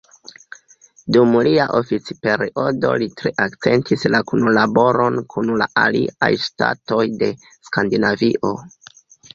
Dum lia oficperiodo li tre akcentis la kunlaboron kun la aliaj ŝtatoj de Skandinavio.